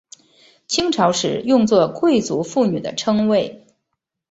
清朝时用作贵族妇女的称谓。